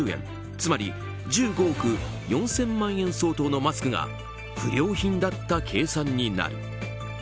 つまり１５億４０００万円相当のマスクが不良品だった計算になる。